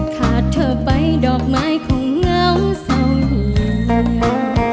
ขาดเธอไปดอกไม้ของเหงาเสาเหยียว